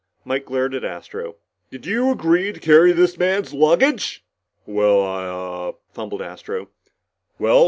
Mike glared at Astro. "Did you agree to carry this man's luggage?" "Well I ah " fumbled Astro. "Well?